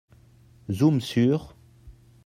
Zoom sur…